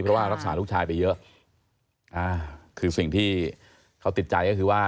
เพราะว่ารักษาลูกชายไปเยอะอ่าคือสิ่งที่เขาติดใจก็คือว่า